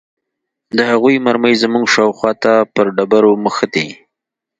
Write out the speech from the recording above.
د هغوى مرمۍ زموږ شاوخوا ته پر ډبرو مښتې.